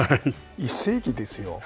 １世紀ですよ。